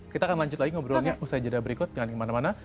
kita akan lanjut lagi ngobrolnya usai jeda berikut jangan kemana mana